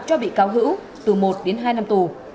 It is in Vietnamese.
cho bị cáo hữu từ một đến hai năm tù